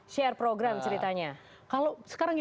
share program ceritanya